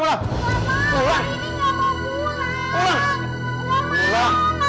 bapak rini tidak mau pulang